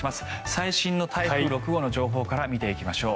最新の台風６号の情報から見ていきましょう。